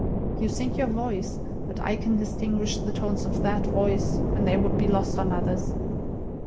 You sink your voice, but I can distinguish the tones of that voice when they would be lost on others.